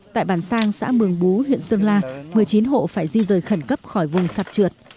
tại bản sang xã mường bú huyện sơn la một mươi chín hộ phải di rời khẩn cấp khỏi vùng sạc trượt